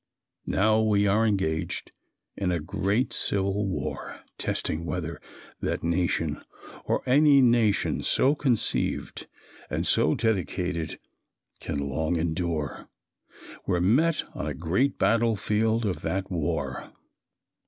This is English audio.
Now we are engaged in a great civil war, testing whether that nation, or any nation so conceived and so dedicated, can long endure. We are met on a great battlefield of that war.